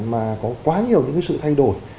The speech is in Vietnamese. mà có quá nhiều những sự thay đổi